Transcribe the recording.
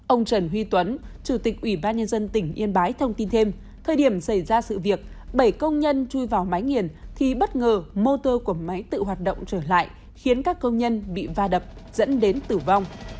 ông trần huy tuấn chủ tịch ubnd tỉnh yên bái thông tin thêm thời điểm xảy ra sự việc bảy công nhân chui vào máy nghiền thì bất ngờ motor của máy tự hoạt động trở lại khiến các công nhân bị va đập dẫn đến tử vong